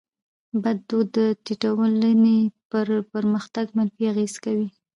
بد دود د ټټولني پر پرمختګ منفي اغېز کوي.